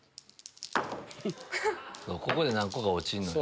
ここで何個か落ちんのよ。